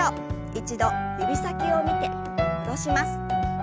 一度指先を見て戻します。